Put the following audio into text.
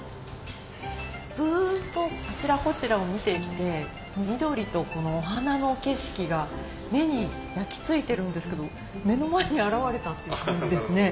ずっとあちらこちらを見てきて緑とこのお花の景色が目に焼き付いてるんですけど目の前に現れたっていう感じですね。